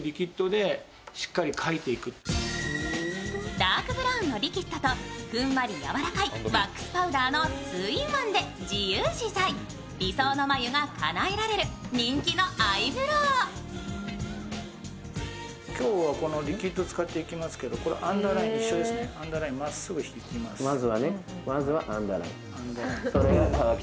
ダークブラウンのリキッドとふんわり柔らかい今日はこのリキッド使っていきますけどアンダーラインまっすぐ引きます。